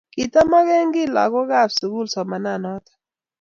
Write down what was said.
kitamagengiy lagookab sugul somananatok